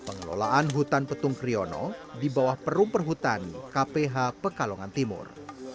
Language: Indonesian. pengelolaan hutan petung kriyono di bawah perumper hutan kph pekalongan timur